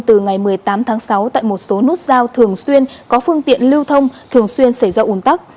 từ ngày một mươi tám tháng sáu tại một số nút giao thường xuyên có phương tiện lưu thông thường xuyên xảy ra ủn tắc